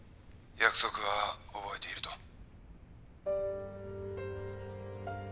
約束は覚えていると」